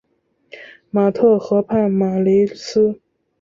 马特河畔马雷斯。